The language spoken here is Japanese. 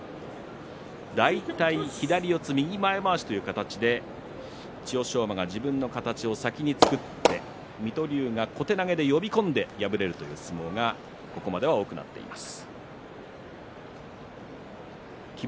大体、左四つ右前まわしという相撲で千代翔馬が自分の形を先に作って水戸龍が小手投げで呼び込んで敗れるという相撲がここまでは多くなっています。